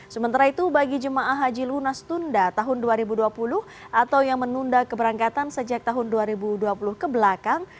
sementara itu bagi jemaah haji lunas tunda tahun dua ribu dua puluh atau yang menunda keberangkatan sejak tahun dua ribu dua puluh kebelakang